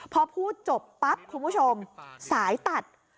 พอพูดจบปั๊บคุณผู้ชมสายตัด